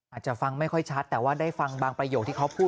อาจจะฟังไม่ค่อยชัดแต่ว่าได้ฟังบางประโยคที่เขาพูด